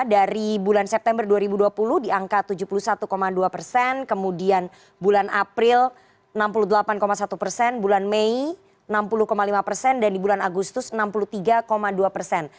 dari bulan september dua ribu dua puluh di angka tujuh puluh satu dua persen kemudian bulan april enam puluh delapan satu persen bulan mei enam puluh lima persen dan di bulan agustus enam puluh tiga dua persen